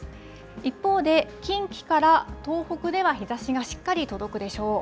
一方で、近畿から東北では日ざしがしっかり届くでしょう。